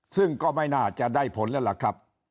ซึ่งก็ไม่น่าจะได้ผลแล้วล่ะครับ